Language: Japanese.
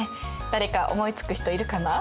誰か思いつく人いるかな？